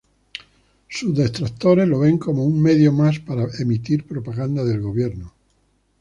Sus detractores lo ven como un medio más para emitir propaganda del gobierno.